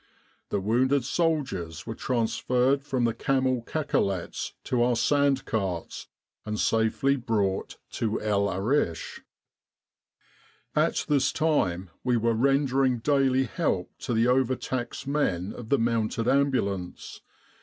The wounded soldiers were transferred from the camel cacolets to our sand carts and safely brought to El Arish. " At this time we were rendering daily help to the overtaxed men of the Mounted Ambulance.